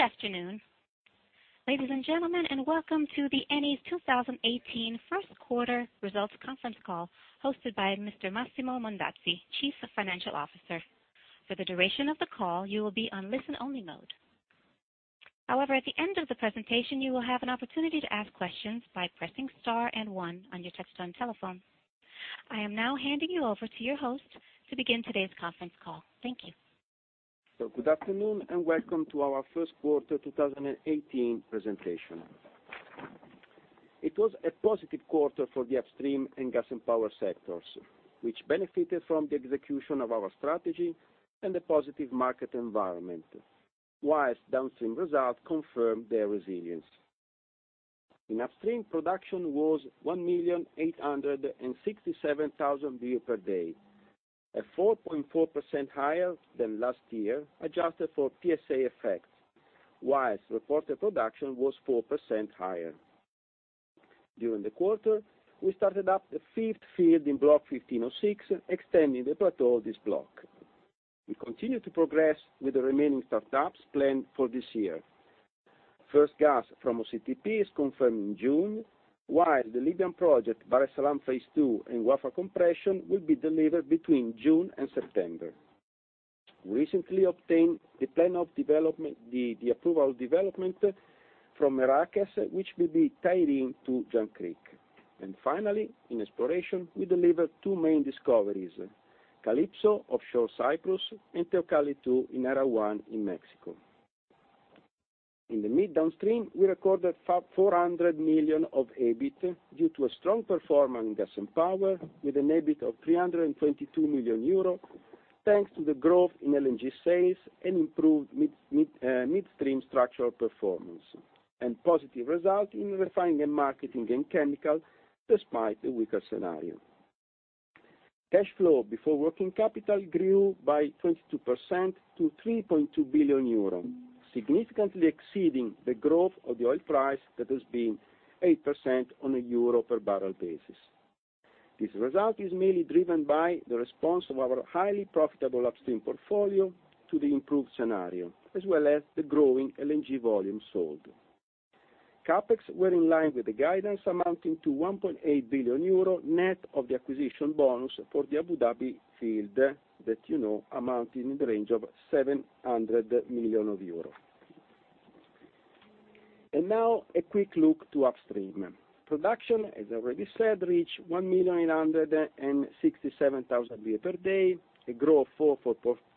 Good afternoon, ladies and gentlemen, and welcome to the Eni 2018 first quarter results conference call hosted by Mr. Massimo Mondazzi, Chief Financial Officer. For the duration of the call, you will be on listen-only mode. At the end of the presentation, you will have an opportunity to ask questions by pressing star and one on your touch-tone telephone. I am now handing you over to your host to begin today's conference call. Thank you. Good afternoon, and welcome to our first quarter 2018 presentation. It was a positive quarter for the upstream and Gas & Power sectors, which benefited from the execution of our strategy and the positive market environment. Downstream results confirmed their resilience. In upstream, production was 1,867,000 barrel per day, at 4.4% higher than last year, adjusted for PSA effect. Reported production was 4% higher. During the quarter, we started up the fifth field in Block 1506, extending the plateau of this block. We continue to progress with the remaining startups planned for this year. First gas from OCTP is confirmed in June, while the Libyan project, Bahr Essalam phase 2 and Wafa Compression, will be delivered between June and September. We recently obtained the approval of development from Merakes, which will be tied in to Jangkrik. Finally, in exploration, we delivered two main discoveries, Calypso, offshore Cyprus, and Tecoalli-2 in Area 1 in Mexico. In the mid downstream, we recorded 400 million of EBIT due to a strong performance in Gas & Power with an EBIT of 322 million euro, thanks to the growth in LNG sales and improved midstream structural performance, and positive result in refining and marketing and chemical, despite a weaker scenario. Cash flow before working capital grew by 22% to 3.2 billion euros, significantly exceeding the growth of the oil price that has been 8% on a EUR per barrel basis. This result is mainly driven by the response of our highly profitable upstream portfolio to the improved scenario, as well as the growing LNG volume sold. CapEx were in line with the guidance amounting to 1.8 billion euro net of the acquisition bonus for the Abu Dhabi field that you know amounting in the range of 700 million euro. Now a quick look to upstream. Production, as I already said, reached 1,867,000 barrel per day, a growth of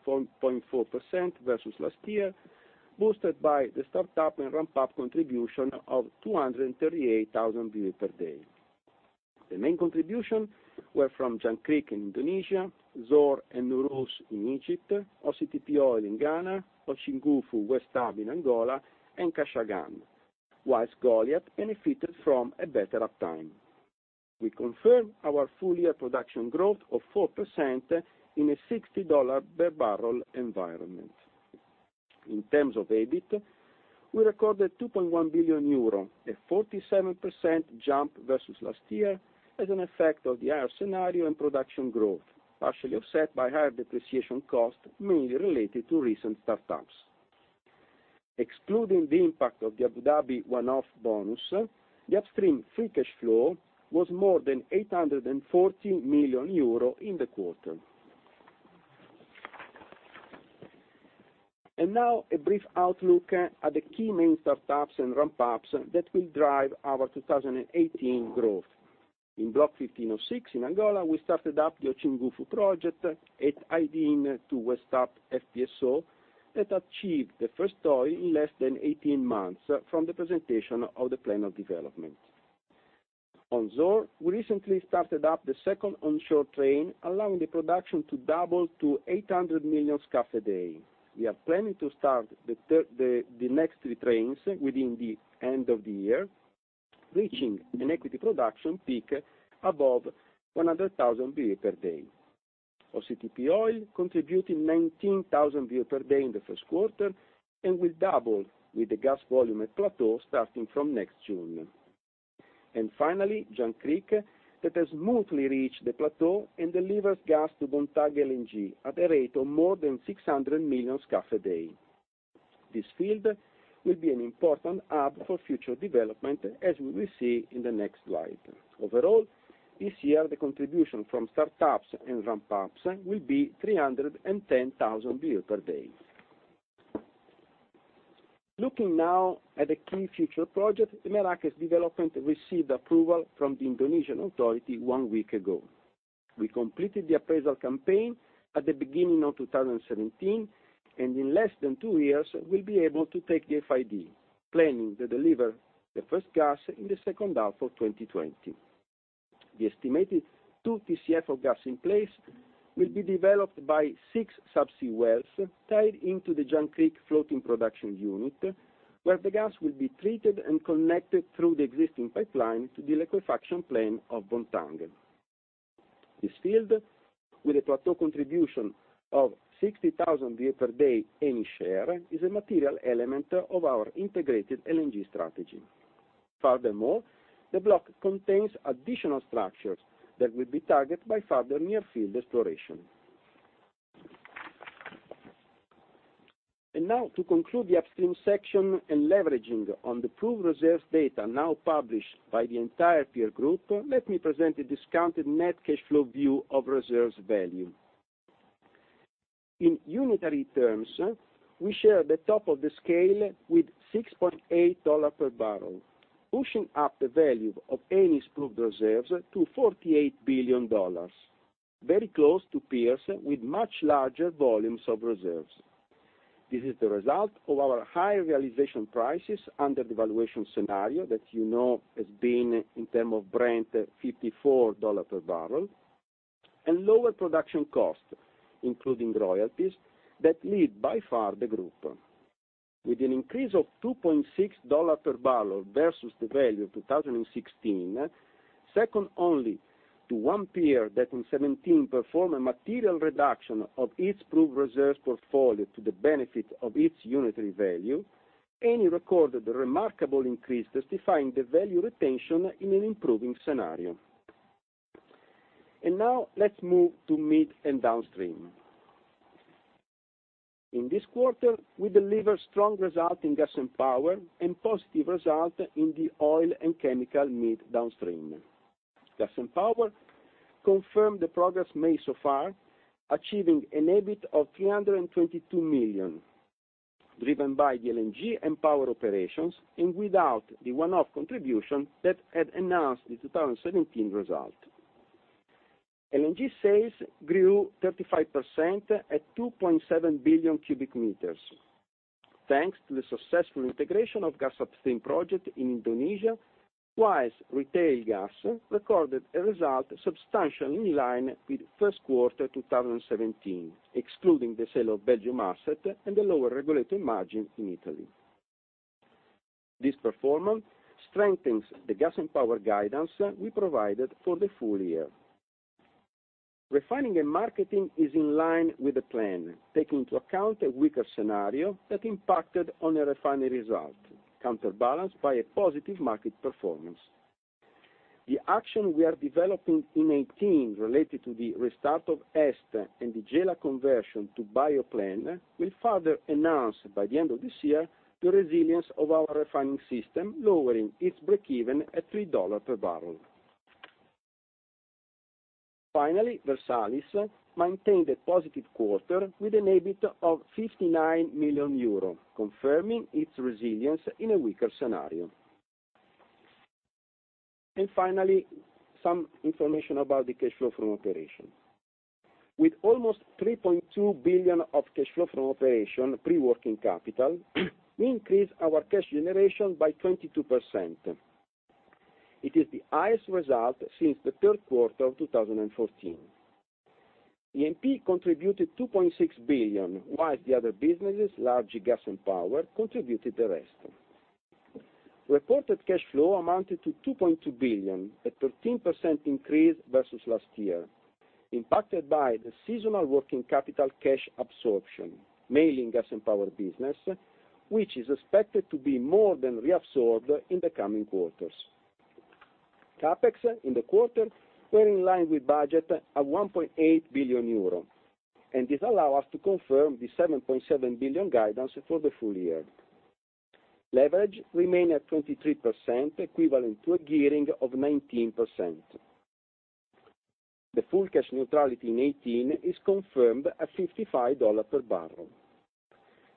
4.4% versus last year, boosted by the start-up and ramp-up contribution of 238,000 barrel per day. The main contribution were from Jangkrik in Indonesia, Zohr and Nooros in Egypt, OCTP Oil in Ghana, Ochigufu West Hub in Angola, and Kashagan. Goliat benefited from a better uptime. We confirm our full-year production growth of 4% in a $60 per barrel environment. In terms of EBIT, we recorded 2.1 billion euro, a 47% jump versus last year, as an effect of the higher scenario and production growth, partially offset by higher depreciation costs, mainly related to recent startups. Excluding the impact of the Abu Dhabi one-off bonus, the upstream free cash flow was more than 814 million euro in the quarter. A brief outlook at the key main startups and ramp-ups that will drive our 2018 growth. In Block 1506 in Angola, we started up the Ochigufu project in 2018 at West Hub FPSO that achieved the first oil in less than 18 months from the presentation of the plan of development. On Zohr, we recently started up the second onshore train, allowing the production to double to 800 million scf a day. We are planning to start the next three trains within the end of the year, reaching an equity production peak above 100,000 barrel per day. OCTP oil contributing 19,000 barrel per day in the first quarter and will double with the gas volume at plateau starting from next June. Finally, Jangkrik, that has smoothly reached the plateau and delivers gas to Bontang LNG at a rate of more than 600 million scf a day. This field will be an important hub for future development, as we will see in the next slide. Overall, this year, the contribution from startups and ramp-ups will be 310,000 barrel per day. Looking now at the key future project, the Merakes development received approval from the Indonesian Authority one week ago. We completed the appraisal campaign at the beginning of 2017, in less than two years, we'll be able to take the FID, planning to deliver the first gas in the second half of 2020. The estimated two TCF of gas in place will be developed by six subsea wells tied into the Jangkrik floating production unit, where the gas will be treated and connected through the existing pipeline to the liquefaction plant of Bontang. This field, with a plateau contribution of 60,000 barrel per day and share, is a material element of our integrated LNG strategy. Furthermore, the block contains additional structures that will be targeted by further near-field exploration. Now to conclude the upstream section and leveraging on the proved reserves data now published by the entire peer group, let me present a discounted net cash flow view of reserves value. In unitary terms, we share the top of the scale with $6.8 per barrel, pushing up the value of Eni's proved reserves to $48 billion, very close to peers with much larger volumes of reserves. This is the result of our high realization prices under the valuation scenario that you know has been in term of Brent, $54 per barrel, and lower production cost, including royalties, that lead by far the group. With an increase of $2.6 per barrel versus the value of 2016, second only to one peer that in 2017 performed a material reduction of its proved reserves portfolio to the benefit of its unitary value, Eni recorded a remarkable increase testifying the value retention in an improving scenario. Now let's move to mid and downstream. In this quarter, we deliver strong result in Gas and Power and positive result in the oil and chemical mid downstream. Gas and Power confirmed the progress made so far, achieving an EBIT of 322 million, driven by the LNG and power operations and without the one-off contribution that had enhanced the 2017 result. LNG sales grew 35% at 2.7 billion cubic meters. Thanks to the successful integration of Gas Upstream project in Indonesia, whilst retail gas recorded a result substantially in line with first quarter 2017, excluding the sale of Belgium asset and the lower regulatory margin in Italy. This performance strengthens the Gas & Power guidance we provided for the full year. Refining and Marketing is in line with the plan, taking into account a weaker scenario that impacted on the refinery result, counterbalanced by a positive market performance. The action we are developing in 2018 related to the restart of EST and the Gela conversion to biorefinery will further enhance, by the end of this year, the resilience of our refining system, lowering its breakeven at $3 per barrel. Finally, Versalis maintained a positive quarter with an EBIT of 59 million euro, confirming its resilience in a weaker scenario. Finally, some information about the cash flow from operation. With almost 3.2 billion of cash flow from operation pre-working capital, we increase our cash generation by 22%. It is the highest result since the third quarter of 2014. E&P contributed 2.6 billion, whilst the other businesses, largely Gas & Power, contributed the rest. Reported cash flow amounted to 2.2 billion, a 13% increase versus last year, impacted by the seasonal working capital cash absorption, mainly in Gas & Power business, which is expected to be more than reabsorbed in the coming quarters. CapEx in the quarter were in line with budget at 1.8 billion euro, this allow us to confirm the 7.7 billion guidance for the full year. Leverage remained at 23%, equivalent to a gearing of 19%. The full cash neutrality in 2018 is confirmed at $55 per barrel.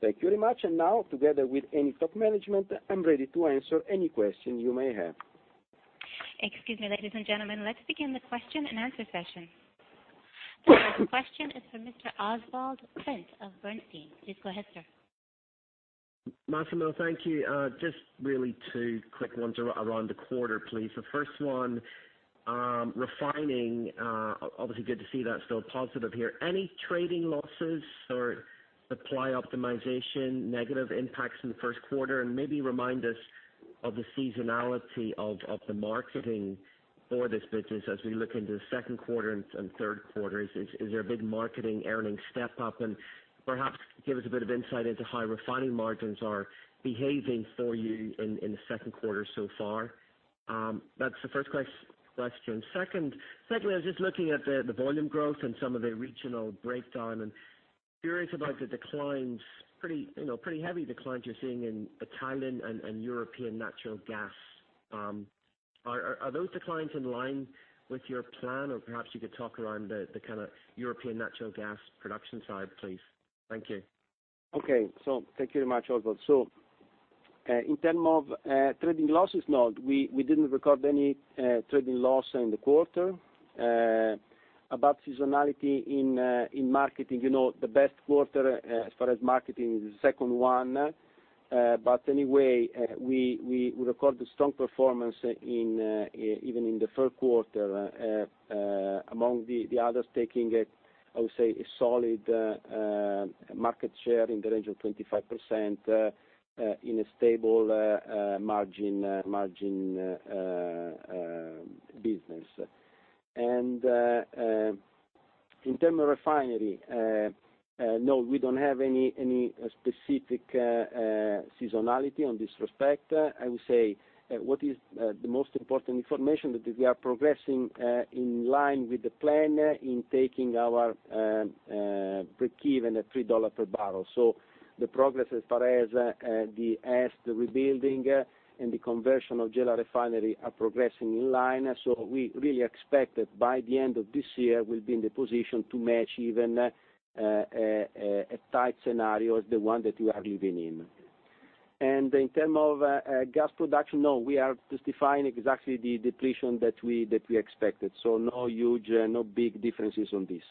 Thank you very much. Now, together with Eni top management, I'm ready to answer any question you may have. Excuse me, ladies and gentlemen. Let's begin the question and answer session. The first question is from Mr. Oswald Clint of Bernstein. Please go ahead, sir. Massimo, thank you. Just really two quick ones around the quarter, please. The first one, refining, obviously good to see that still positive here. Any trading losses or supply optimization negative impacts in the first quarter? Maybe remind us of the seasonality of the marketing for this business as we look into the second quarter and third quarters. Is there a big marketing earnings step up? Perhaps give us a bit of insight into how refining margins are behaving for you in the second quarter so far? That's the first question. I was just looking at the volume growth and some of the regional breakdown, and curious about the declines, pretty heavy declines you're seeing in Thailand and European natural gas. Are those declines in line with your plan? Perhaps you could talk around the kind of European natural gas production side, please. Thank you. Okay. Thank you very much, Oswald. In term of trading losses, no, we did not record any trading loss in the quarter. About seasonality in marketing, the best quarter as far as marketing is the second one. Anyway, we record a strong performance even in the first quarter, among the others taking, I would say, a solid market share in the range of 25% in a stable margin business. In term of refinery No, we do not have any specific seasonality on this respect. I would say, what is the most important information, that we are progressing in line with the plan in taking our break-even at $3 per barrel. The progress as far as the EST rebuilding and the conversion of Gela refinery are progressing in line. We really expect that by the end of this year, we will be in the position to match even a tight scenario as the one that you are living in. In term of gas production, no, we are just defining exactly the depletion that we expected. No big differences on this.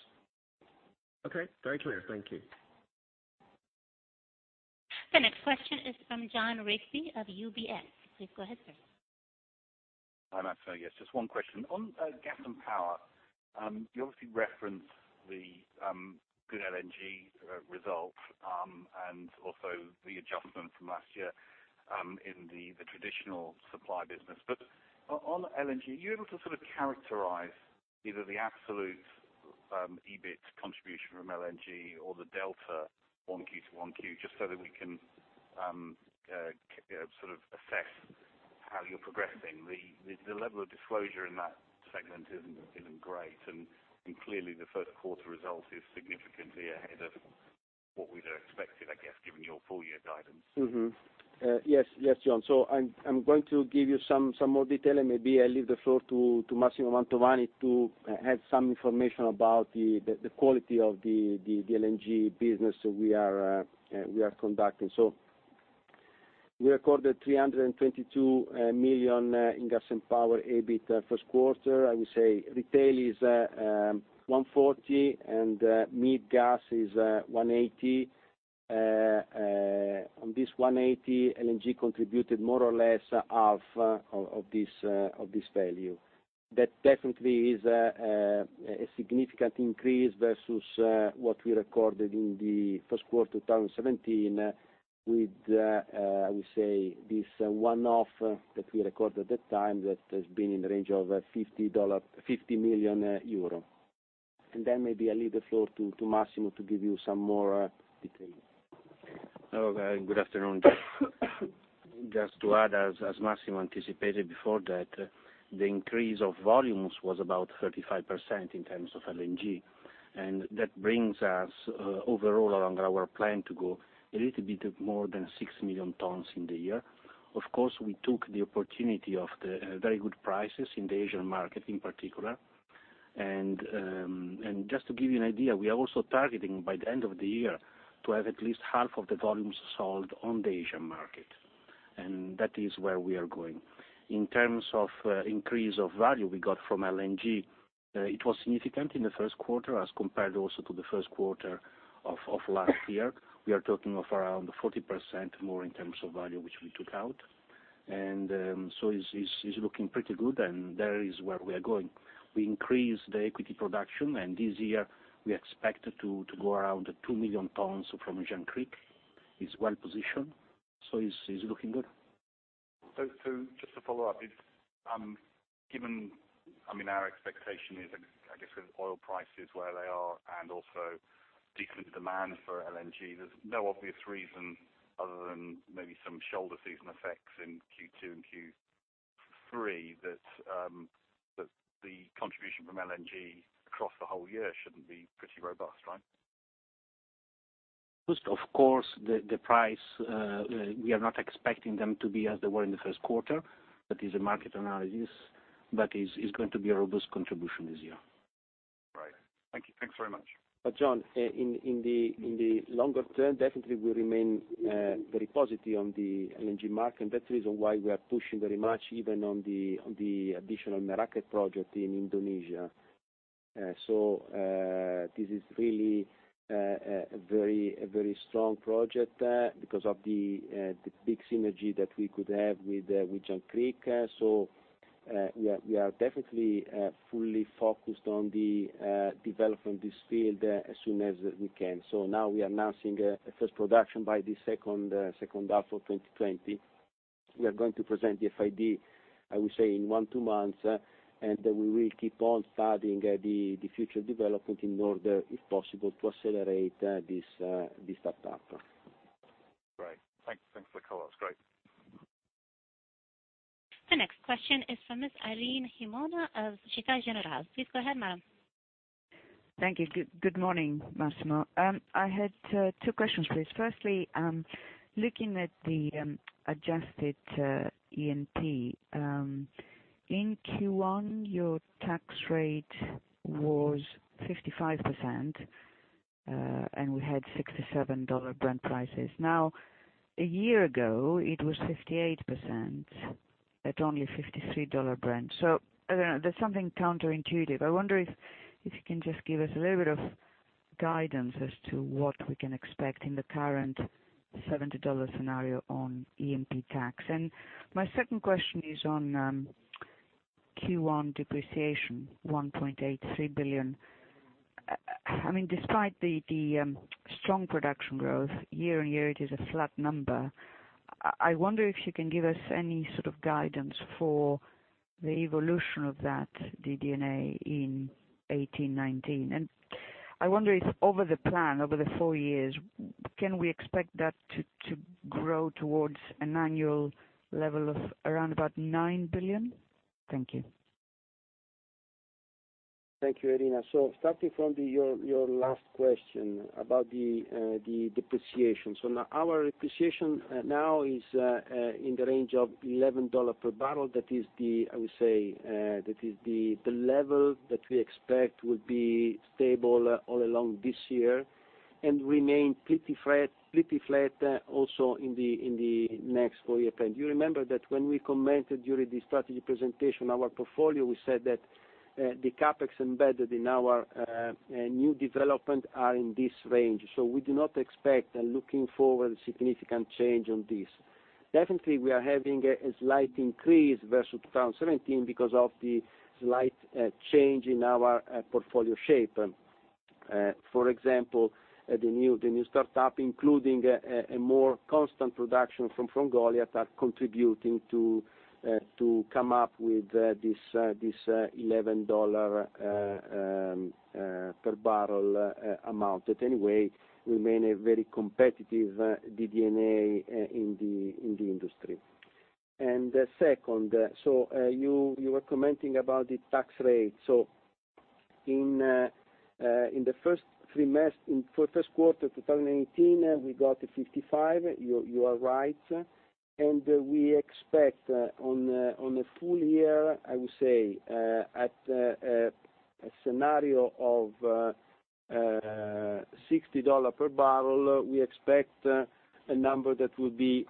Okay. Very clear. Thank you. The next question is from Jon Rigby of UBS. Please go ahead, sir. Hi, Massimo. Yes, just one question. On Gas & Power, you obviously referenced the good LNG results, also the adjustment from last year in the traditional supply business. On LNG, are you able to characterize either the absolute EBIT contribution from LNG or the delta non-Q to one Q, just so that we can assess how you're progressing? The level of disclosure in that segment isn't great, clearly the first quarter result is significantly ahead of what we'd have expected, I guess, given your full year guidance. Yes, Jon. I'm going to give you some more detail, maybe I leave the floor to Massimo Mantovani to add some information about the quality of the LNG business we are conducting. We recorded 322 million in Gas & Power EBIT first quarter. I would say retail is 140, mid gas is 180. On this 180, LNG contributed more or less half of this value. That definitely is a significant increase versus what we recorded in the first quarter 2017 with, I would say, this one-off that we recorded that time that has been in the range of €50 million. Then maybe I leave the floor to Massimo to give you some more detail. Okay. Good afternoon, Jon. Just to add, as Massimo anticipated before that, the increase of volumes was about 35% in terms of LNG. That brings us overall along our plan to go a little bit more than 6 million tons in the year. Of course, we took the opportunity of the very good prices in the Asian market in particular. Just to give you an idea, we are also targeting by the end of the year to have at least half of the volumes sold on the Asian market. That is where we are going. In terms of increase of value we got from LNG, it was significant in the first quarter as compared also to the first quarter of last year. We are talking of around 40% more in terms of value, which we took out. It's looking pretty good, and there is where we are going. We increased the equity production. This year we expect to go around 2 million tons from Jangkrik. It's well positioned. It's looking good. Just to follow up, given our expectation is, I guess with oil prices where they are and also decent demand for LNG, there's no obvious reason other than maybe some shoulder season effects in Q2 and Q3 that the contribution from LNG across the whole year shouldn't be pretty robust, right? Just of course, the price, we are not expecting them to be as they were in the first quarter. That is a market analysis. It's going to be a robust contribution this year. Right. Thank you. Thanks very much. Jon, in the longer term, we definitely remain very positive on the LNG market, and that's the reason why we are pushing very much even on the additional Merakes project in Indonesia. This is really a very strong project because of the big synergy that we could have with Jangkrik. We are definitely fully focused on the development of this field as soon as we can. Now we are announcing a first production by the second half of 2020. We are going to present the FID, I would say, in one, two months, and we will keep on studying the future development in order, if possible, to accelerate this startup. Great. Thanks for the color. It's great. The next question is from Ms. Irene Himona of Société Générale. Please go ahead, madam. Thank you. Good morning, Massimo. I had two questions, please. Firstly, looking at the adjusted E&P. In Q1, your tax rate was 55%, and we had $67 Brent prices. A year ago, it was 58% at only $53 Brent. I don't know, there's something counterintuitive. I wonder if you can just give us a little bit of guidance as to what we can expect in the current $70 scenario on E&P tax. My second question is on Q1 depreciation, 1.83 billion. Despite the strong production growth year-on-year, it is a flat number. I wonder if you can give us any sort of guidance for the evolution of that DD&A in 2018, 2019. I wonder if over the plan, over the four years, can we expect that to grow towards an annual level of around about 9 billion? Thank you. Thank you, Irine. Starting from your last question about the depreciation. Now our depreciation now is in the range of EUR 11 per barrel. That is the level that we expect will be stable all along this year and remain pretty flat also in the next 4-year plan. Do you remember that when we commented during the strategy presentation, our portfolio, we said that the CapEx embedded in our new development are in this range, we do not expect, looking forward, significant change on this. Definitely, we are having a slight increase versus 2017 because of the slight change in our portfolio shape. For example, the new startup, including a more constant production from Goliat, are contributing to come up with this EUR 11 per barrel amount, that anyway remain a very competitive DD&A in the industry. Second, you were commenting about the tax rate. In the first quarter of 2018, we got 55, you are right. We expect on a full year, I would say, at a scenario of EUR 60 per barrel, we expect a number that will be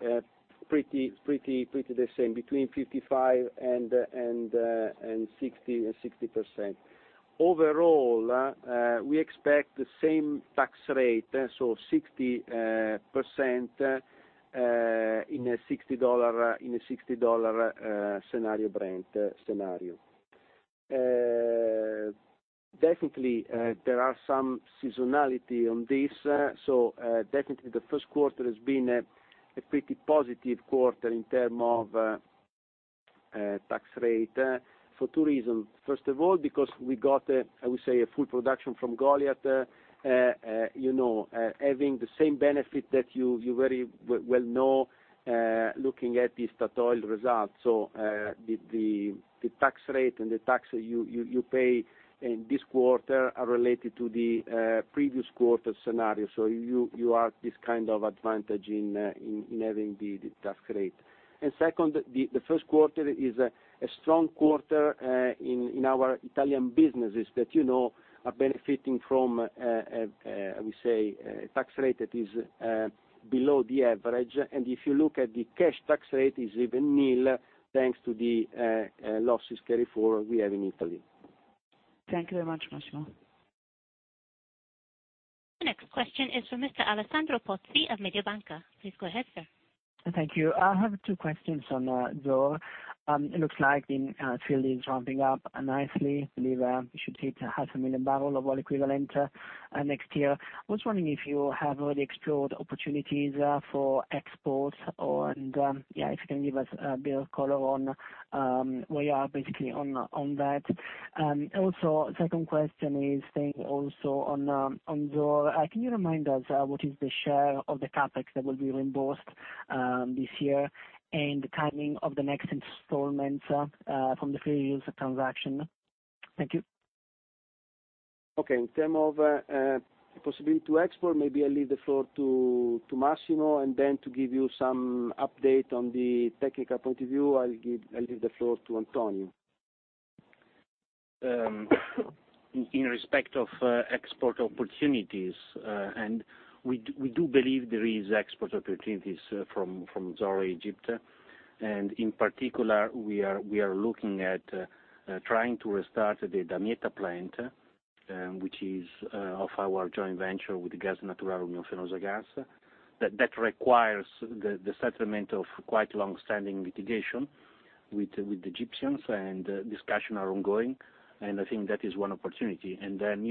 pretty the same, between 55%-60%. Overall, we expect the same tax rate, 60% in a EUR 60 Brent scenario. Definitely, there are some seasonality on this. Definitely the first quarter has been a pretty positive quarter in term of tax rate for 2 reasons. First of all, because we got a full production from Goliat, having the same benefit that you very well know, looking at the Statoil results. The tax rate and the tax you pay in this quarter are related to the previous quarter scenario. You have this kind of advantage in having the tax rate. Second, the first quarter is a strong quarter in our Italian businesses that are benefiting from a tax rate that is below the average. If you look at the cash tax rate is even nil, thanks to the losses carry forward we have in Italy. Thank you very much, Massimo. The next question is from Mr. Alessandro Pozzi of Mediobanca. Please go ahead, sir. Thank you. I have two questions on Zohr. It looks like the field is ramping up nicely. Believe you should hit half a million barrel of oil equivalent next year. I was wondering if you have already explored opportunities for exports, and if you can give us a bit of color on where you are, basically, on that. Second question is staying also on Zohr. Can you remind us what is the share of the CapEx that will be reimbursed this year and the timing of the next installments from the fair use transaction? Thank you. In term of possibility to export, maybe I leave the floor to Massimo, then to give you some update on the technical point of view, I'll leave the floor to Antonio. In respect of export opportunities, we do believe there is export opportunities from Zohr, Egypt. In particular, we are looking at trying to restart the Damietta plant, which is of our joint venture with Gas Natural Fenosa. That requires the settlement of quite longstanding litigation with the Egyptians, and discussion are ongoing. I think that is one opportunity. Then,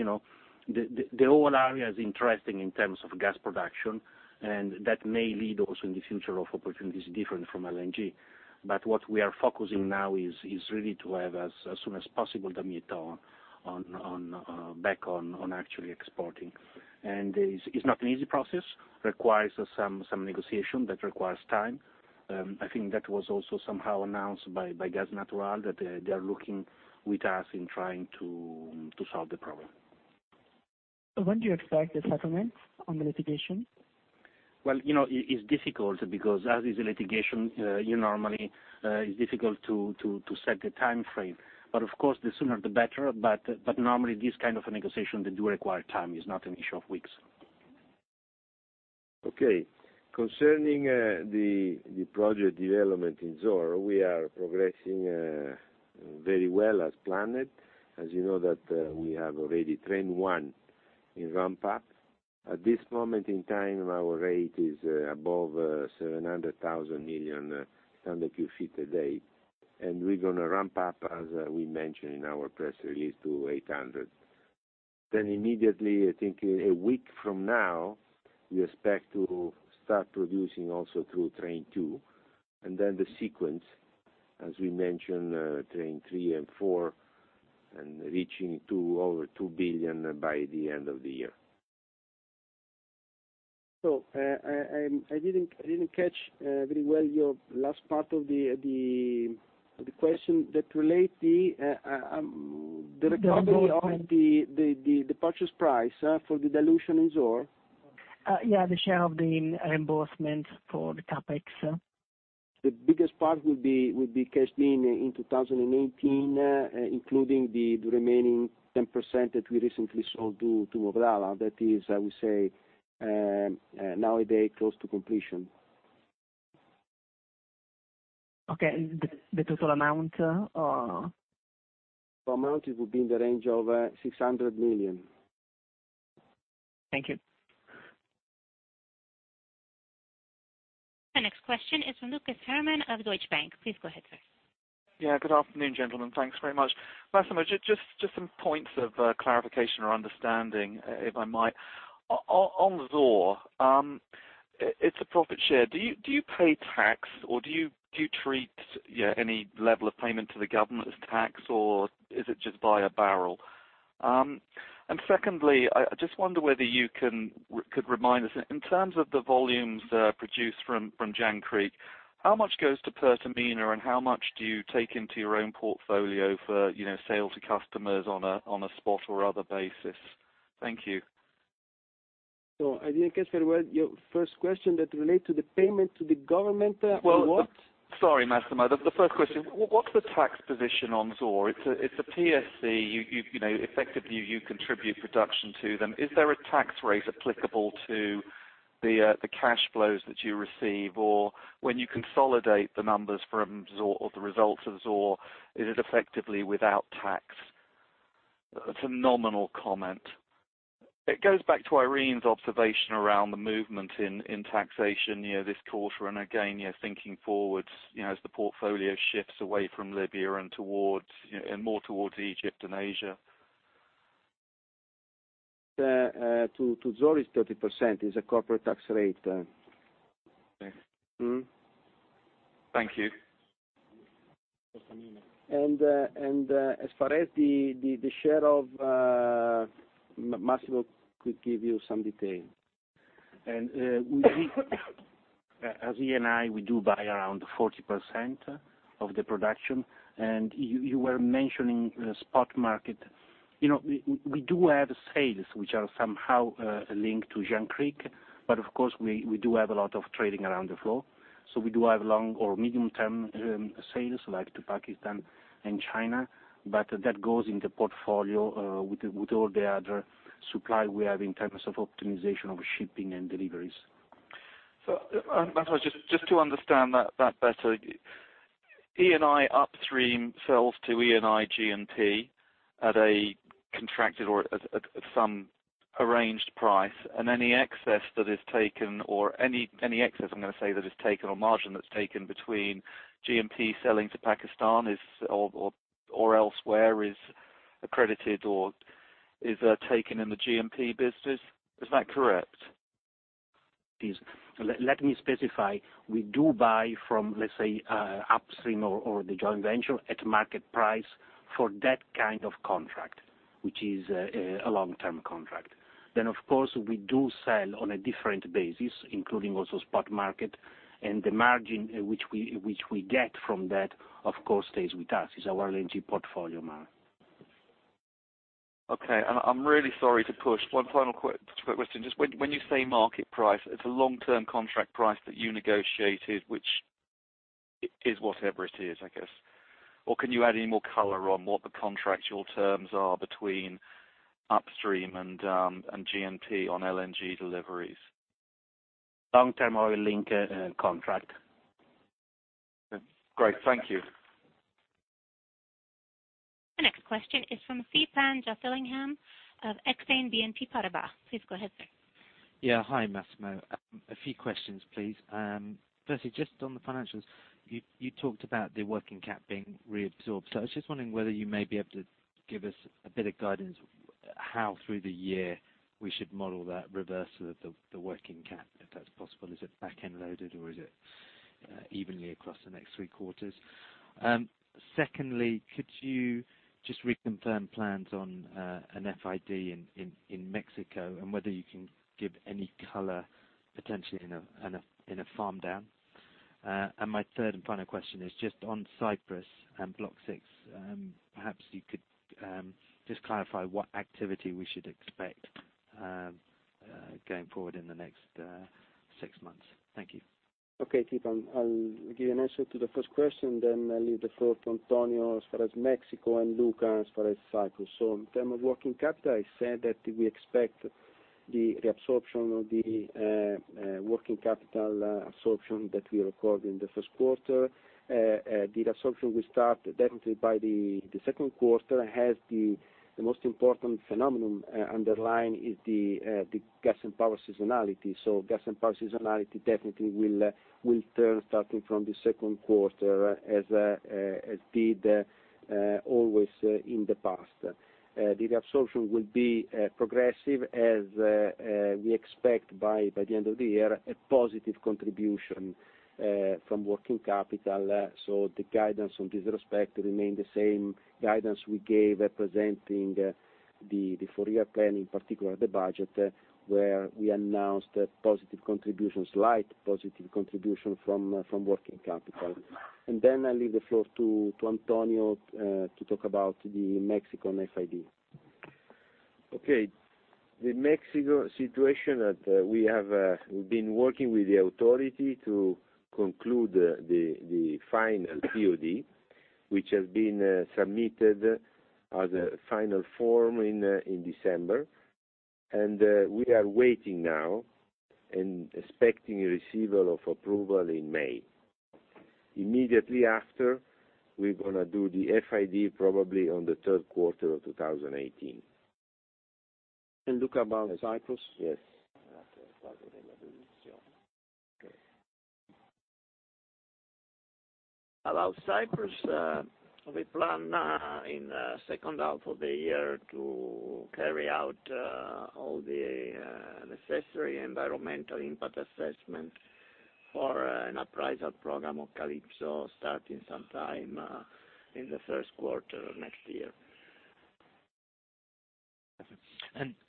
the whole area is interesting in terms of gas production, and that may lead also in the future of opportunities different from LNG. What we are focusing now is really to have, as soon as possible, Damietta back on actually exporting. It's not an easy process. Requires some negotiation that requires time. I think that was also somehow announced by Gas Natural, that they are looking with us in trying to solve the problem. When do you expect the settlement on the litigation? It's difficult because as is a litigation, normally it's difficult to set the timeframe, but of course, the sooner the better. Normally this kind of a negotiation, they do require time. It's not an issue of weeks. Concerning the project development in Zohr, we are progressing very well as planned. As you know that we have already Train 1 in ramp-up. At this moment in time, our rate is above 700,000 million standard cubic feet a day, and we're going to ramp up, as we mentioned in our press release, to 800. Immediately, I think a week from now, we expect to start producing also through Train 2. The sequence, as we mentioned, Train 3 and Train 4, and reaching to over 2 billion by the end of the year. I didn't catch very well your last part of the question that relates. The reimbursement the recovery of the purchase price for the dilution in Zohr. Yeah, the share of the reimbursement for the CapEx. The biggest part will be cashed in 2018, including the remaining 10% that we recently sold to Mubadala. That is, I would say, nowadays, close to completion. Okay. The total amount? The amount, it would be in the range of 600 million. Thank you. The next question is from Lucas Herrmann of Deutsche Bank. Please go ahead, sir. Yeah. Good afternoon, gentlemen. Thanks very much. Massimo, just some points of clarification or understanding, if I might. On Zohr, it's a profit share. Do you pay tax or do you treat any level of payment to the government as tax, or is it just by a barrel? Secondly, I just wonder whether you could remind us, in terms of the volumes produced from Jangkrik, how much goes to Pertamina and how much do you take into your own portfolio for sale to customers on a spot or other basis? Thank you. I didn't catch very well your first question that relate to the payment to the government or what? Sorry, Massimo. The first question, what's the tax position on Zohr? It's a PSC. Effectively, you contribute production to them. Is there a tax rate applicable to the cash flows that you receive, or when you consolidate the numbers from Zohr or the results of Zohr, is it effectively without tax? It's a nominal comment. It goes back to Irene's observation around the movement in taxation this quarter. Again, thinking forwards, as the portfolio shifts away from Libya and more towards Egypt and Asia. To Zohr is 30%, is a corporate tax rate. Okay. Thank you. As far as the share of, Massimo could give you some detail. As Eni, we do buy around 40% of the production. You were mentioning spot market. We do have sales which are somehow linked to Jangkrik, but of course, we do have a lot of trading around the floor. We do have long- or medium-term sales, like to Pakistan and China, but that goes in the portfolio, with all the other supply we have in terms of optimization of shipping and deliveries. Massimo, just to understand that better, Eni upstream sells to Eni G&P at a contracted or at some arranged price, and any excess that is taken, or any excess, I'm going to say, that is taken or margin that's taken between G&P selling to Pakistan or elsewhere is accredited or is taken in the G&P business. Is that correct? Please, let me specify. We do buy from, let's say, upstream or the joint venture at market price for that kind of contract, which is a long-term contract. Of course, we do sell on a different basis, including also spot market, and the margin which we get from that, of course, stays with us. It's our LNG portfolio margin. Okay. I'm really sorry to push. One final quick question. Just when you say market price, it's a long-term contract price that you negotiated, which is whatever it is, I guess. Can you add any more color on what the contractual terms are between upstream and G&P on LNG deliveries? Long-term oil link contract. Great. Thank you. The next question is from Theepan Jothilingam of Exane BNP Paribas. Please go ahead, sir. Hi, Massimo. A few questions, please. Firstly, just on the financials, you talked about the working cap being reabsorbed. I was just wondering whether you may be able to give us a bit of guidance how through the year we should model that reversal of the working cap, if that's possible. Is it back-end loaded or is it evenly across the next three quarters? Secondly, could you just reconfirm plans on an FID in Mexico and whether you can give any color potentially in a farm down? My third and final question is just on Cyprus and Block 6. Perhaps you could just clarify what activity we should expect going forward in the next six months. Thank you. Okay. Theepan. I'll give you an answer to the first question, then I leave the floor. As far as Mexico and Luca, as far as Cyprus. In terms of working capital, I said that we expect the reabsorption of the working capital absorption that we recorded in the first quarter. The reabsorption will start definitely by the second quarter, as the most important phenomenon underlying is the gas and power seasonality. Gas and power seasonality definitely will turn starting from the second quarter, as it did always in the past. The reabsorption will be progressive, as we expect by the end of the year, a positive contribution from working capital. The guidance on this respect remain the same guidance we gave representing the four-year plan, in particular the budget, where we announced a slight positive contribution from working capital. I leave the floor to Antonio to talk about the Mexican FID. The Mexico situation that we have been working with the authority to conclude the final POD, which has been submitted as a final form in December. We are waiting now and expecting a receival of approval in May. Immediately after, we're going to do the FID, probably on the third quarter of 2018. Luca bound Cyprus? Yes. About Cyprus, we plan in the second half of the year to carry out all the necessary environmental impact assessment for an appraisal program of Calypso starting sometime in the first quarter of next year.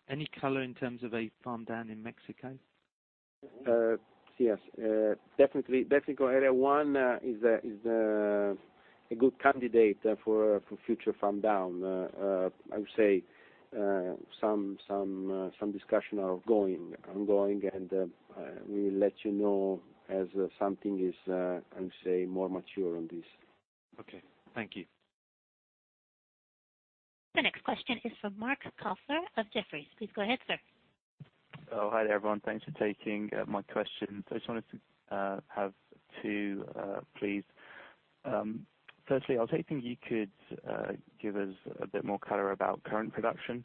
Any color in terms of a farm down in Mexico? Yes. Definitely Area 1 is a good candidate for future farm down. I would say some discussion are ongoing, we will let you know as something is, I would say, more mature on this. Okay. Thank you. The next question is from Marc Kofler of Jefferies. Please go ahead, sir. Oh, hi there, everyone. Thanks for taking my question. I just wanted to have two, please. Firstly, I was hoping you could give us a bit more color about current production.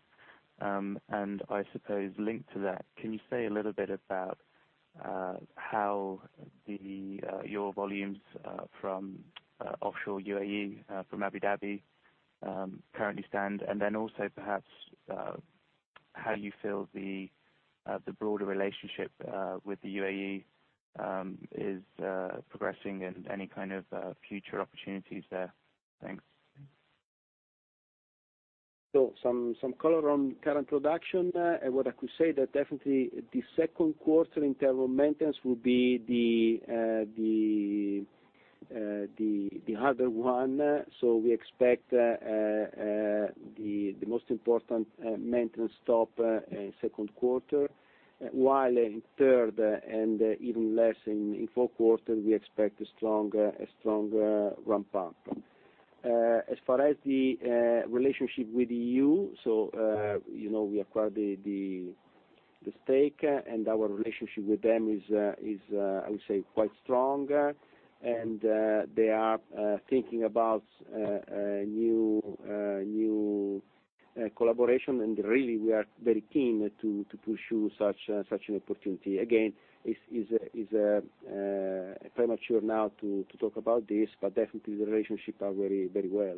I suppose linked to that, can you say a little bit about how your volumes from offshore U.A.E., from Abu Dhabi currently stand? Then also perhaps, how you feel the broader relationship with the U.A.E. is progressing and any kind of future opportunities there? Thanks. Some color on current production. What I could say, that definitely the second quarter interval maintenance will be the harder one. We expect the most important maintenance stop in second quarter, while in third and even less in fourth quarter, we expect a stronger ramp-up. As far as the relationship with U.A.E., we acquired the stake. Our relationship with them is, I would say, quite strong. They are thinking about a new collaboration. Really, we are very keen to pursue such an opportunity. Again, it's premature now to talk about this. Definitely the relationship are very well.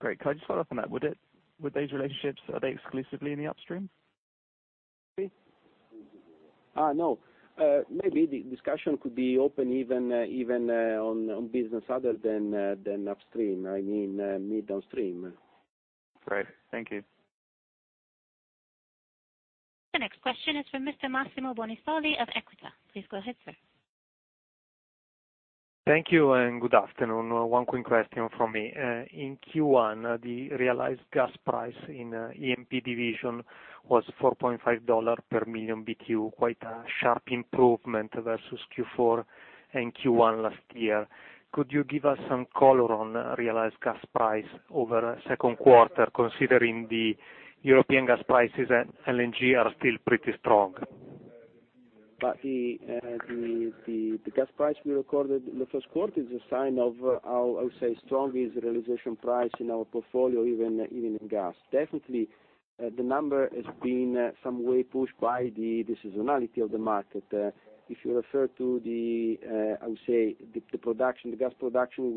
Great. Could I just follow up on that? With those relationships, are they exclusively in the upstream? No. Maybe the discussion could be open even on business other than upstream. I mean, mid downstream. Great. Thank you. The next question is from Mr. Massimo Bonisoli of Equita. Please go ahead, sir. Thank you. Good afternoon. One quick question from me. In Q1, the realized gas price in E&P division was $4.5 per million BTU, quite a sharp improvement versus Q4 and Q1 last year. Could you give us some color on realized gas price over second quarter, considering the European gas prices and LNG are still pretty strong? The gas price we recorded in the first quarter is a sign of how, I would say, strong is realization price in our portfolio, even in gas. Definitely, the number has been some way pushed by the seasonality of the market. If you refer to the gas production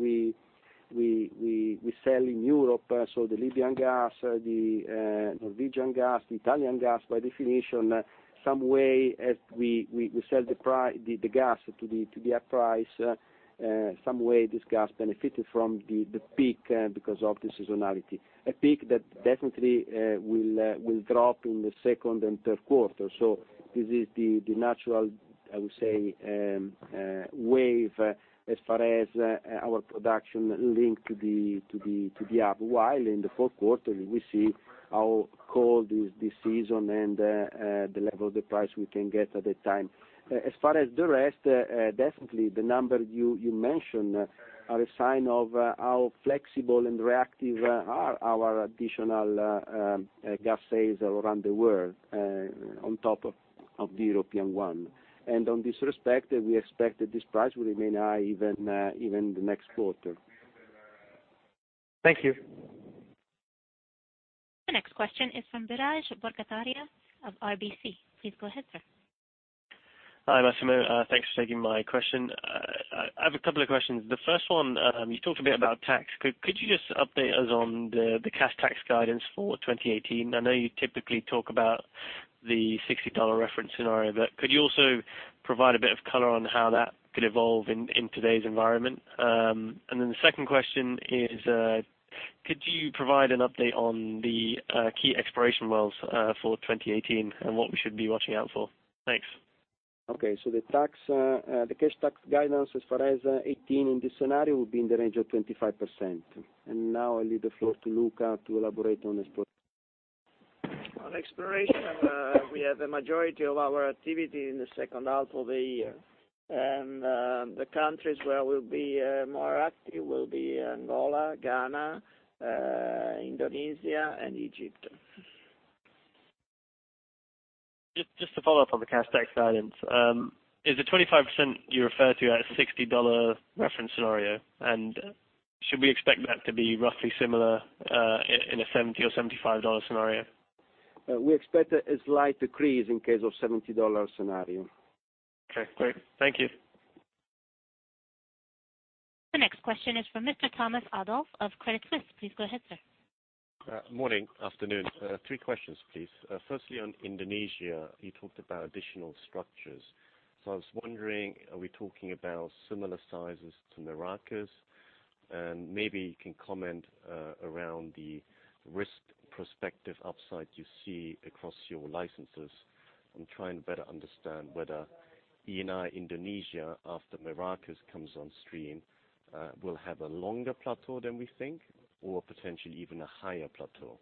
we sell in Europe, so the Libyan gas, the Norwegian gas, the Italian gas, by definition, some way as we sell the gas to the hub price, some way this gas benefited from the peak because of the seasonality. A peak that definitely will drop in the second and third quarter. This is the natural, I would say, wave as far as our production linked to the hub. While in the fourth quarter, we see how cold is the season and the level of the price we can get at that time. As far as the rest, definitely the number you mentioned are a sign of how flexible and reactive are our additional gas sales around the world, on top of the European one. On this respect, we expect that this price will remain high even the next quarter. Thank you. Next question is from Biraj Borkhataria of RBC. Please go ahead, sir. Hi, Massimo. Thanks for taking my question. I have a couple of questions. The first one, you talked a bit about tax. Could you just update us on the cash tax guidance for 2018? I know you typically talk about the $60 reference scenario, but could you also provide a bit of color on how that could evolve in today's environment? Then the second question is, could you provide an update on the key exploration wells for 2018 and what we should be watching out for? Thanks. Okay. The cash tax guidance as far as 2018 in this scenario would be in the range of 25%. Now I leave the floor to Luca to elaborate on exploration. On exploration, we have a majority of our activity in the second half of the year. The countries where we'll be more active will be Angola, Ghana, Indonesia, and Egypt. Just to follow up on the cash tax guidance. Is the 25% you refer to at a $60 reference scenario, and should we expect that to be roughly similar in a $70 or $75 scenario? We expect a slight decrease in case of $70 scenario. Okay, great. Thank you. The next question is from Mr. Thomas Adolff of Credit Suisse. Please go ahead, sir. Morning, afternoon. Three questions, please. Firstly, on Indonesia, I was wondering, are we talking about similar sizes to Merakes? And maybe you can comment around the risk prospective upside you see across your licenses. I am trying to better understand whether Eni Indonesia, after Merakes comes on stream, will have a longer plateau than we think or potentially even a higher plateau.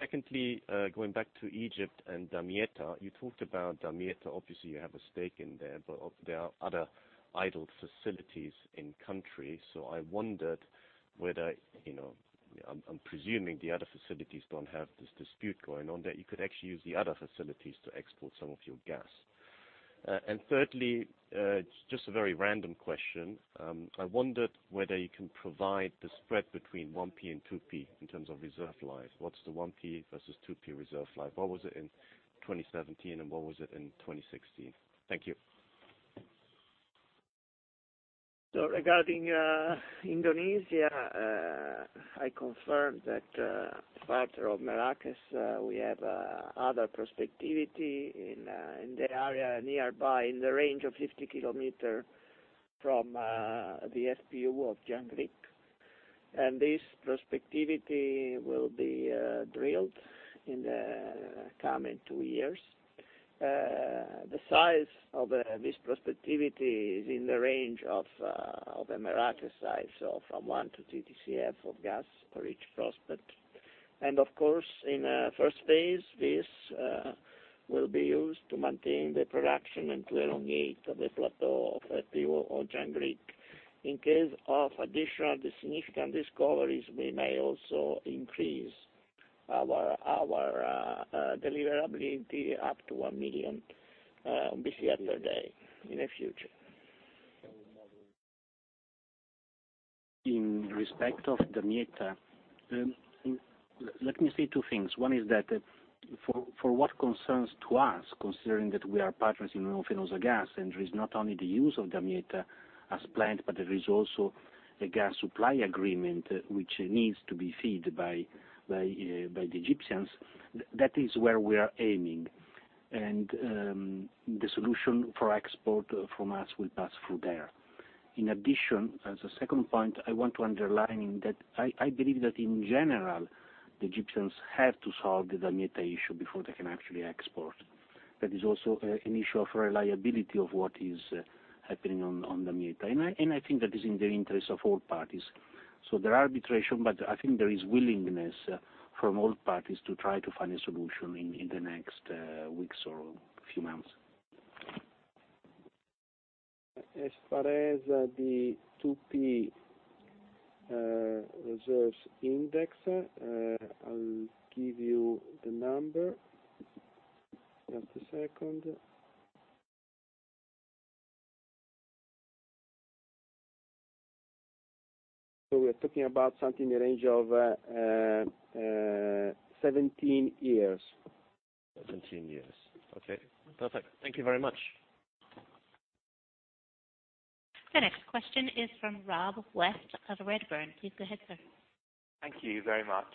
Secondly, going back to Egypt and Damietta, you talked about Damietta, obviously you have a stake in there, but there are other idle facilities in country. I wondered whether, I am presuming the other facilities don't have this dispute going on, that you could actually use the other facilities to export some of your gas. And thirdly, just a very random question. I wondered whether you can provide the spread between 1P and 2P in terms of reserve life. What is the 1P versus 2P reserve life? What was it in 2017 and what was it in 2016? Thank you. Regarding Indonesia, I confirm that apart from Merakes, we have other prospectivity in the area nearby in the range of 50 kilometers from the FPU of Jangkrik. This prospectivity will be drilled in the coming 2 years. The size of this prospectivity is in the range of Merakes size, so from one to two TCF of gas for each prospect. Of course, in first phase, this will be used to maintain the production and to elongate the plateau of FPU of Jangkrik. In case of additional significant discoveries, we may also increase our deliverability up to 1 BCF per day in the future. In respect of Damietta, let me say two things. One is that, for what concerns to us, considering that we are partners in Union Fenosa Gas, there is not only the use of Damietta as planned but there is also a gas supply agreement which needs to be fed by the Egyptians, that is where we are aiming. The solution for export from us will pass through there. In addition, as a second point, I want to underline that I believe that in general, the Egyptians have to solve the Damietta issue before they can actually export. That is also an issue of reliability of what is happening on Damietta. I think that is in the interest of all parties. There are arbitration, but I think there is willingness from all parties to try to find a solution in the next weeks or few months. As far as the 2P reserves index, I'll give you the number. Just a second. We're talking about something in the range of 17 years. 17 years. Okay, perfect. Thank you very much. The next question is from Rob West of Redburn. Please go ahead, sir. Thank you very much.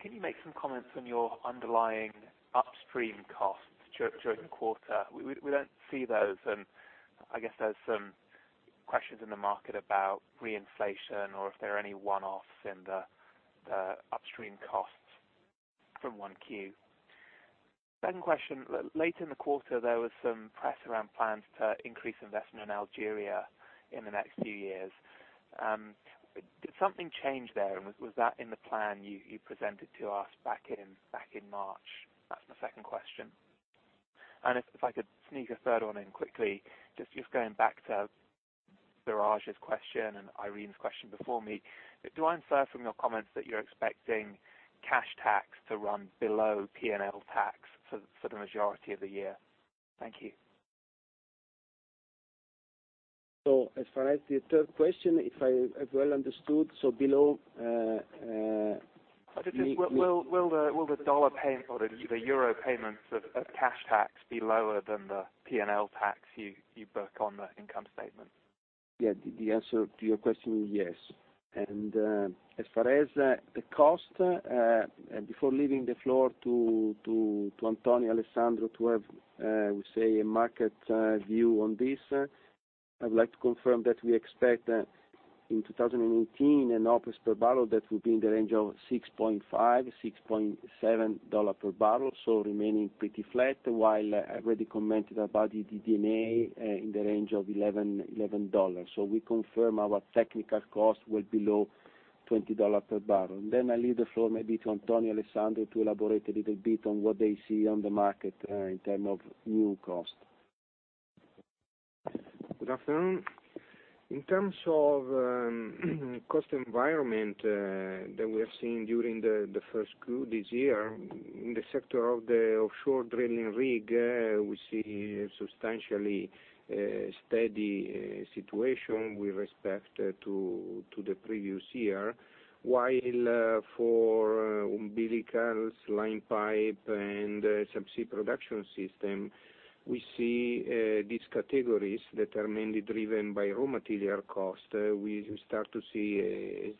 Can you make some comments on your underlying upstream costs during the quarter? We don't see those, and I guess there's some questions in the market about reinflation or if there are any one-offs in the upstream costs from 1Q. Second question, later in the quarter, there was some press around plans to increase investment in Algeria in the next few years. Did something change there, and was that in the plan you presented to us back in March? That's my second question. If I could sneak a third one in quickly, just going back to Biraj's question and Irene's question before me, do I infer from your comments that you're expecting cash tax to run below P&L tax for the majority of the year? Thank you. As far as the third question, if I have well understood. Will the dollar payment or the euro payments of cash tax be lower than the P&L tax you book on the income statement? Yeah. As far as the cost, before leaving the floor to Alessandro Puliti to have, we say, a market view on this, I'd like to confirm that we expect in 2018 an OPEX per barrel that will be in the range of $6.5-$6.7 per barrel, remaining pretty flat, while I already commented about the DD&A in the range of $11. We confirm our technical cost well below $20 per barrel. I leave the floor maybe to Alessandro Puliti to elaborate a little bit on what they see on the market in terms of new cost. Good afternoon. In terms of cost environment that we have seen during the first Q this year, in the sector of the offshore drilling rig, we see substantially steady situation with respect to the previous year. While for umbilicals, line pipe, and subsea production system, we see these categories that are mainly driven by raw material cost. We start to see a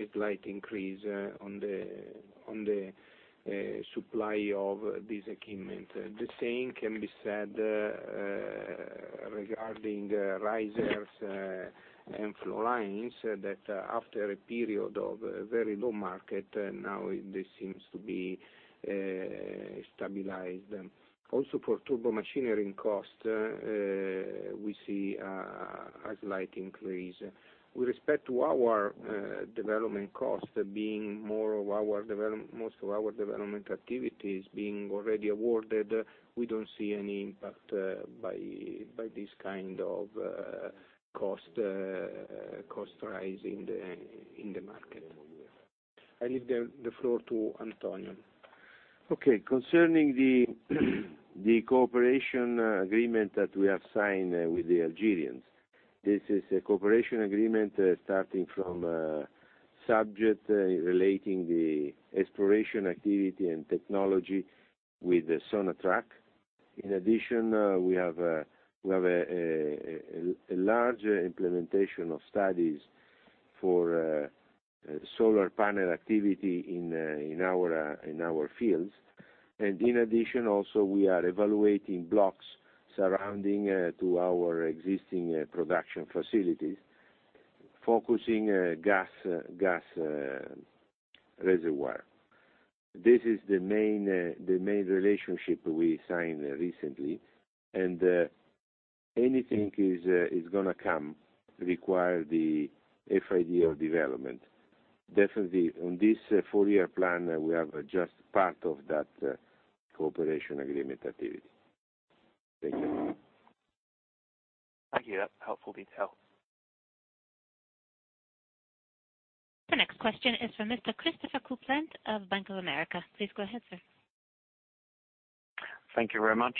slight increase on the supply of this equipment. The same can be said regarding risers and flow lines, that after a period of very low market, now this seems to be stabilized. Also for turbomachinery cost, we see a slight increase. With respect to our development cost, being most of our development activities being already awarded, we don't see any impact by this kind of cost rise in the market. I leave the floor to Antonio. Okay. Concerning the cooperation agreement that we have signed with the Algerians. This is a cooperation agreement starting from subject relating the exploration activity and technology with Sonatrach. In addition, we have a large implementation of studies for solar panel activity in our fields. In addition also, we are evaluating blocks surrounding to our existing production facilities, focusing gas reservoir. This is the main relationship we signed recently, anything is going to come require the FID of development. On this four-year plan, we have just part of that cooperation agreement activity. Thank you. Thank you. Helpful detail. The next question is for Mr. Christopher Kuplent of Bank of America. Please go ahead, sir. Thank you very much.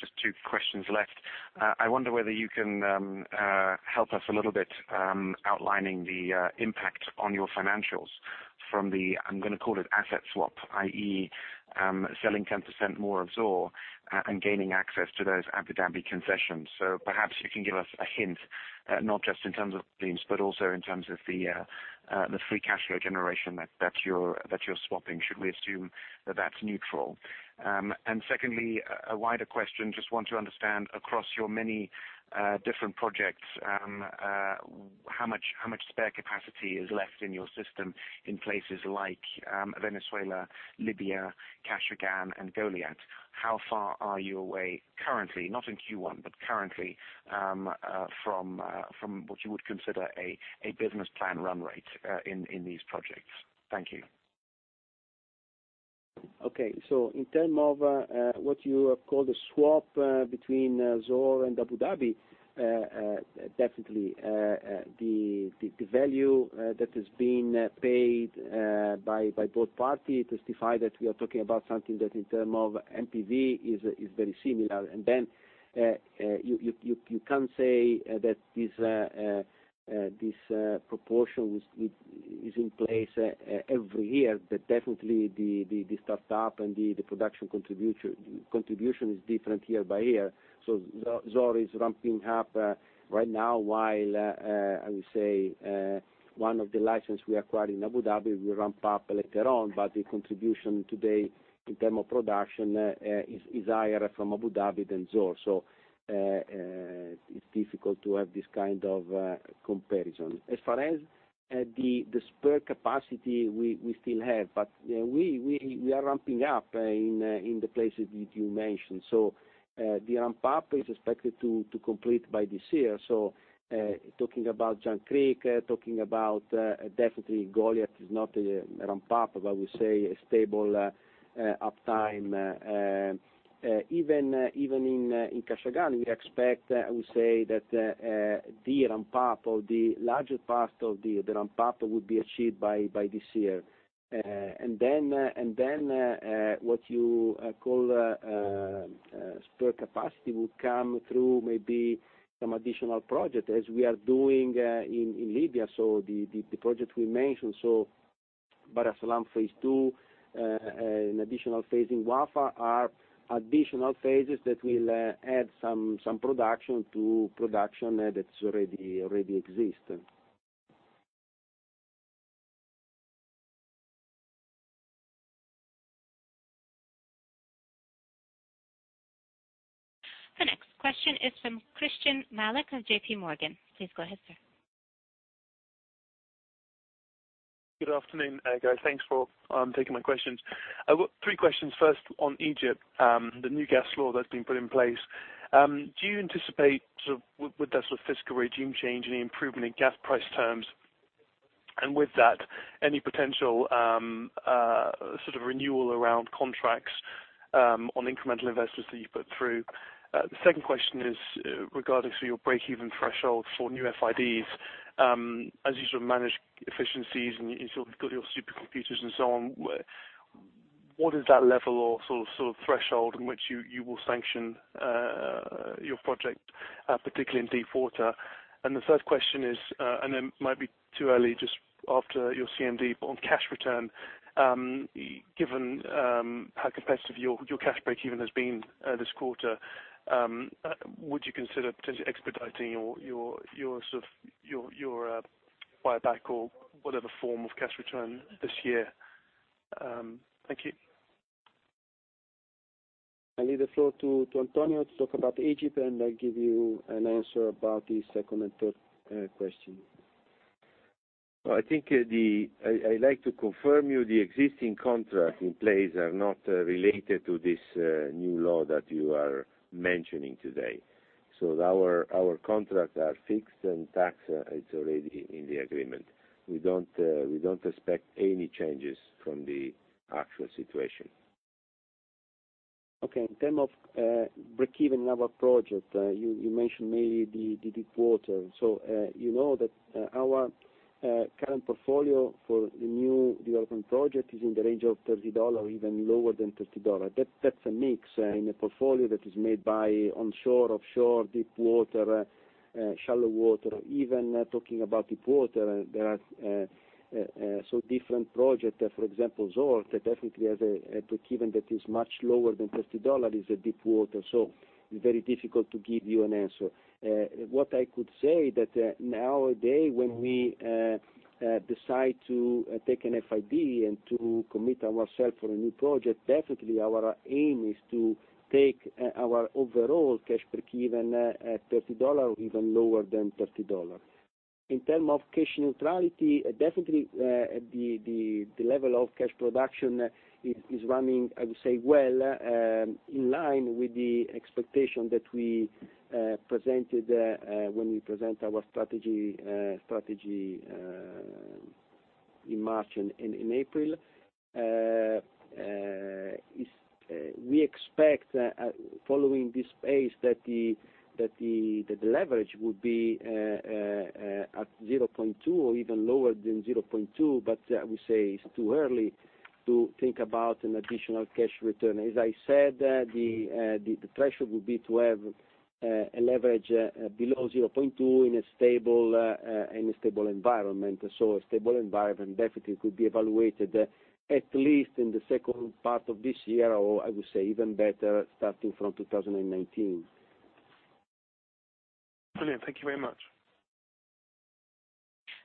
Just two questions left. I wonder whether you can help us a little bit outlining the impact on your financials from the, I'm going to call it asset swap, i.e., selling 10% more of Zohr and gaining access to those Abu Dhabi concessions. Perhaps you can give us a hint, not just in terms of streams, but also in terms of the free cash flow generation that you're swapping. Should we assume that that's neutral? Secondly, a wider question, just want to understand across your many different projects, how much spare capacity is left in your system in places like Venezuela, Libya, Kashagan, and Goliat? How far are you away currently, not in Q1, but currently, from what you would consider a business plan run rate in these projects? Thank you. Okay. In term of what you call the swap between Zohr and Abu Dhabi, definitely, the value that is being paid by both parties testify that we are talking about something that in term of NPV is very similar. Then you can't say that this proportion is in place every year, but definitely the start-up and the production contribution is different year by year. Zohr is ramping up right now while, I would say, one of the license we acquired in Abu Dhabi will ramp up later on, but the contribution today in term of production is higher from Abu Dhabi than Zohr. It's difficult to have this kind of comparison. As far as the spare capacity we still have, but we are ramping up in the places that you mentioned. The ramp-up is expected to complete by this year. Talking about Jangkrik, talking about definitely Goliat is not a ramp-up, but we say a stable uptime. Even in Kashagan, we expect, I would say that the ramp-up, or the larger part of the ramp-up, would be achieved by this year. Then what you call spare capacity will come through maybe some additional project as we are doing in Libya, the project we mentioned. Bahr Essalam Phase 2, an additional phase in Wafa are additional phases that will add some production to production that already exist. The next question is from Christyan Malek of J.P. Morgan. Please go ahead, sir. Good afternoon, guys. Thanks for taking my questions. I've got three questions. First, on Egypt, the new gas law that's been put in place, do you anticipate with that sort of fiscal regime change, any improvement in gas price terms? With that, any potential sort of renewal around contracts on incremental investors that you put through? The second question is regarding your breakeven threshold for new FIDs. As you manage efficiencies and you've got your supercomputers and so on, what is that level or sort of threshold in which you will sanction your project, particularly in deep water? The third question is, it might be too early just after your CMD, but on cash return, given how competitive your cash breakeven has been this quarter, would you consider potentially expediting your buyback or whatever form of cash return this year? Thank you. I leave the floor to Antonio to talk about Egypt, I'll give you an answer about the second and third question. I think I'd like to confirm you the existing contract in place are not related to this new law that you are mentioning today. Our contracts are fixed, tax is already in the agreement. We don't expect any changes from the actual situation. In terms of breakeven in our project, you mentioned mainly the deep water. You know that our current portfolio for the new development project is in the range of $30, even lower than $30. That's a mix in a portfolio that is made by onshore, offshore, deep water, shallow water. Even talking about deep water, there are some different projects, for example, Zohr, that definitely has a breakeven that is much lower than $30 is a deep water. It's very difficult to give you an answer. What I could say that nowadays, when we decide to take an FID and to commit ourselves for a new project, definitely our aim is to take our overall cash breakeven at $30, even lower than $30. In terms of cash neutrality, definitely the level of cash production is running, I would say, well, in line with the expectation that we presented when we present our strategy in March and in April. We expect, following this phase, that the leverage will be at 0.2 or even lower than 0.2. I would say it's too early to think about an additional cash return. As I said, the threshold would be to have a leverage below 0.2 in a stable environment. A stable environment definitely could be evaluated at least in the second part of this year, or I would say even better, starting from 2019. Brilliant. Thank you very much.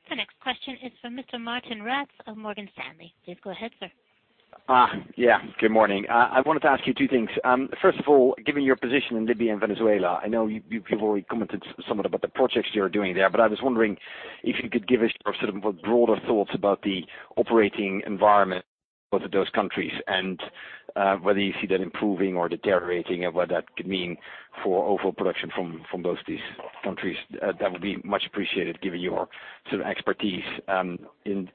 The next question is from Mr. Martijn Rats of Morgan Stanley. Please go ahead, sir. Yeah, good morning. I wanted to ask you two things. First of all, given your position in Libya and Venezuela, I know you've already commented somewhat about the projects you're doing there, but I was wondering if you could give us your sort of broader thoughts about the operating environment in both of those countries, and whether you see that improving or deteriorating and what that could mean for overall production from both these countries. That would be much appreciated given your sort of expertise in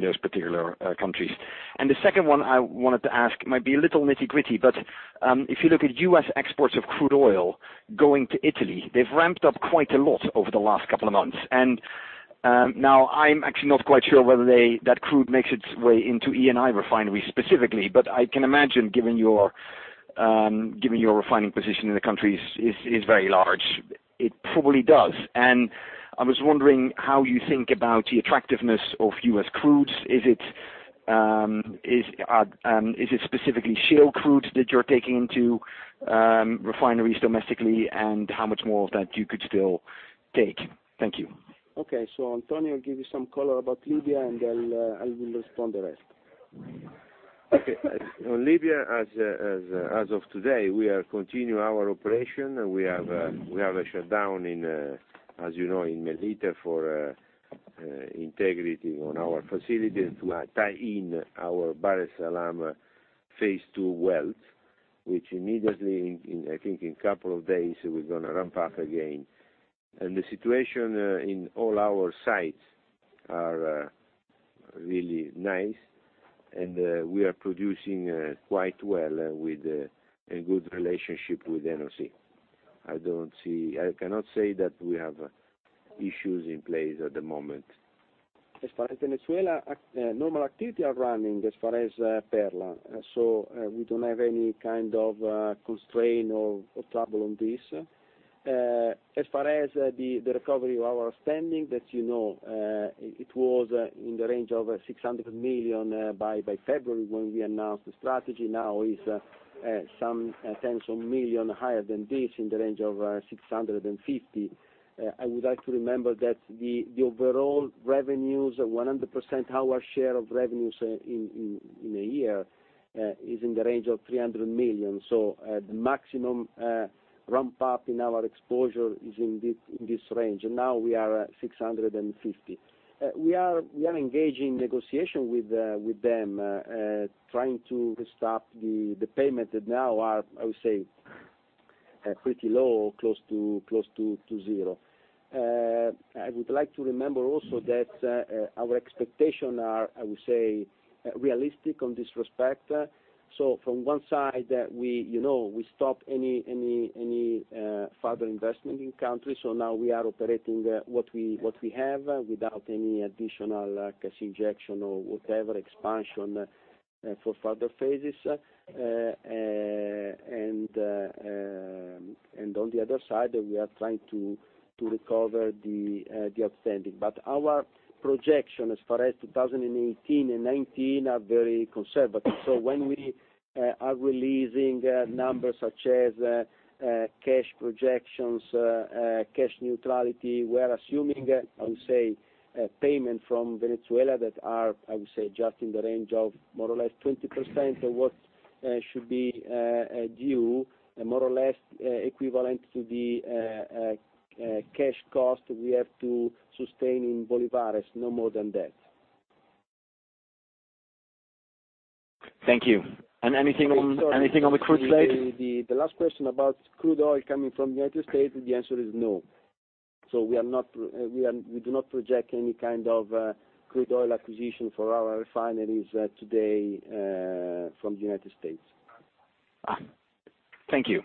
those particular countries. The second one I wanted to ask might be a little nitty-gritty, but if you look at U.S. exports of crude oil going to Italy, they've ramped up quite a lot over the last couple of months. Now I'm actually not quite sure whether that crude makes its way into Eni refinery specifically. I can imagine, given your refining position in the country is very large, it probably does. I was wondering how you think about the attractiveness of U.S. crudes. Is it specifically shale crudes that you're taking into refineries domestically, and how much more of that you could still take? Thank you. Okay. Antonio will give you some color about Libya, and I will respond the rest. Okay. On Libya, as of today, we continue our operation. We have a shutdown, as you know, in Mellitah for integrity on our facility to tie in our Bahr Essalam phase 2 wells, which immediately, I think in couple of days, we're going to ramp up again. The situation in all our sites are Really nice. We are producing quite well with a good relationship with NOC. I cannot say that we have issues in place at the moment. As far as Venezuela, normal activity are running as far as Perla. We don't have any kind of constraint or trouble on this. As far as the recovery of outstanding, as you know, it was in the range of 600 million by February, when we announced the strategy. Now is some tens of million higher than this, in the range of 650 million. I would like to remember that the overall revenues, 100% our share of revenues in a year is in the range of 300 million. The maximum ramp-up in our exposure is in this range, and now we are at 650 million. We are engaged in negotiation with them, trying to restart the payment that now are, I would say, pretty low, close to zero. I would like to remember also that our expectation are, I would say, realistic on this respect. From one side, we stop any further investment in country, so now we are operating what we have, without any additional cash injection or whatever expansion for further phases. On the other side, we are trying to recover the outstanding. Our projection as far as 2018 and 2019 are very conservative. When we are releasing numbers such as cash projections, cash neutrality, we are assuming, I would say, payment from Venezuela that are, I would say, just in the range of more or less 20% of what should be due, more or less equivalent to the cash cost we have to sustain in bolivares, no more than that. Thank you. Anything on the crude side? The last question about crude oil coming from the U.S., the answer is no. We do not project any kind of crude oil acquisition for our refineries today from the U.S. Thank you.